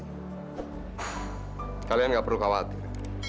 tapi pak kalian tidak perlu khawatir